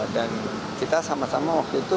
kita sama sama waktu itu